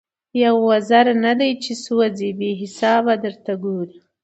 یو وزر نه دی چي سوځي بې حسابه درته ګوري